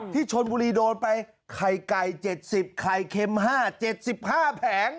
ที่ชนบุรีโดนไปไข่ไก่๗๐ไข่เค็ม๕๗๕แผง